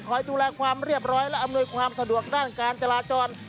ดูแลความเรียบร้อยและอำนวยความสะดวกด้านการจราจร